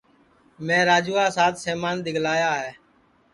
میں راجوا سات سمان دؔیگلایا ہے